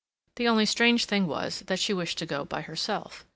The only strange thing was that she wished to go by herself.